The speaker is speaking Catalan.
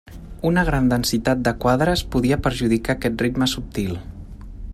Una gran densitat de quadres podia perjudicar aquest ritme subtil.